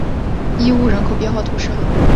伊乌人口变化图示